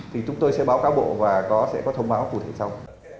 thì chúng tôi sẽ báo cáo bộ và sẽ có thông báo cụ thể sau